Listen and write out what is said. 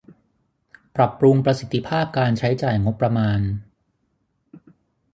ปรับปรุงประสิทธิภาพการใช้จ่ายงบประมาณ